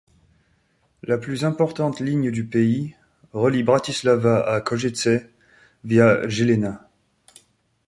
La plus importante ligne du pays relie Bratislava à Košice via Žilina.